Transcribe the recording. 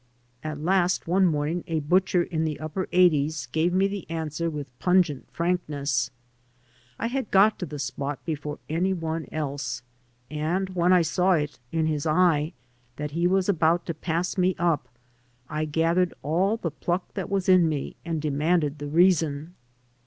At last one morning a butcher in the \ upper Eighties gave me the answer with pimgent ' frankness. I had got to the spot before any one else, j and when I saw it in his eye that he was about to pass ; me up, I gathered all the pluck that was in me and demanded the reason.